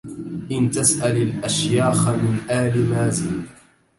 إن تسأل الأشياخ من آل مازن